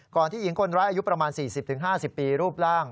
ที่หญิงคนร้ายอายุประมาณ๔๐๕๐ปีรูปร่าง